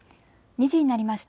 ２時になりました。